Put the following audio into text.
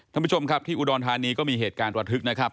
ท่านผู้ชมครับที่อุดรธานีก็มีเหตุการณ์ระทึกนะครับ